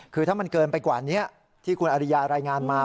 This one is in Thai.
คือถ้ามันเกินไปกว่านี้ที่คุณอริยารายงานมา